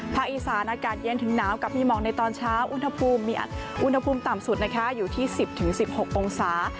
อีสานอากาศเย็นถึงหนาวกับมีหมอกในตอนเช้าอุณหภูมิอุณหภูมิต่ำสุดนะคะอยู่ที่๑๐๑๖องศา